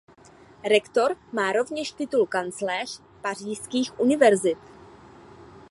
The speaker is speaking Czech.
Rektor má rovněž titul kancléř pařížských univerzit.